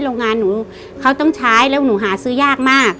โรงงานหนูเขาต้องใช้แล้วหนูหาซื้อยากมาก